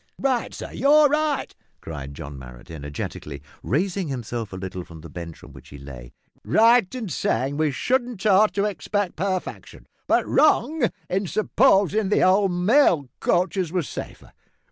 "Right, sir; you're right," cried John Marrot energetically, raising himself a little from the bench on which he lay, "right in sayin' we shouldn't ought to expect parfection, but wrong in supposin' the old mail coaches was safer.